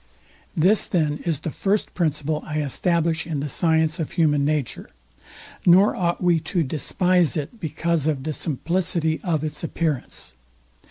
This then is the first principle I establish in the science of human nature; nor ought we to despise it because of the simplicity of its appearance.